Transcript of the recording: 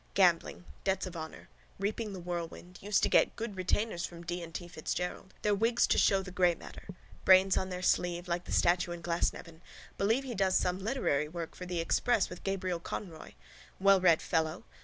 Gambling. Debts of honour. Reaping the whirlwind. Used to get good retainers from D. and T. Fitzgerald. Their wigs to show the grey matter. Brains on their sleeve like the statue in Glasnevin. Believe he does some literary work for the Express with Gabriel Conroy. Wellread fellow.